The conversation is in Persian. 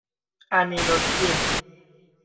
امینالدین